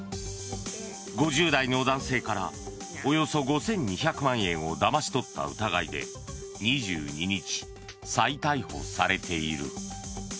５０代の男性からおよそ５２００万円をだまし取った疑いで２２日、再逮捕されている。